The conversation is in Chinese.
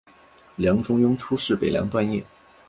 梁中庸初仕北凉段业。